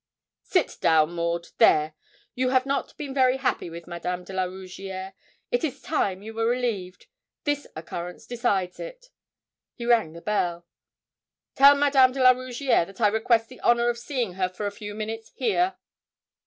'Sit down, Maud, there. You have not been very happy with Madame de la Rougierre. It is time you were relieved. This occurrence decides it.' He rang the bell. 'Tell Madame de la Rougierre that I request the honour of seeing her for a few minutes here.'